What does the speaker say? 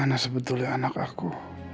yang mana sebetulnya anak aku